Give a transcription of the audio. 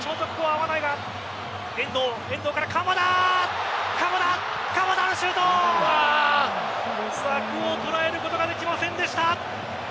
枠を捉えることができませんでした。